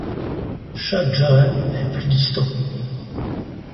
Shâh Jahân est plus distant.